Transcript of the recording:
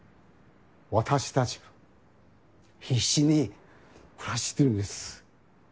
私たち必死に暮らしてるんです。